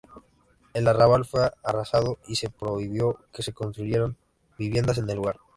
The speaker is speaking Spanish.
El arrabal fue arrasado y se prohibió que se construyeran viviendas en el lugar.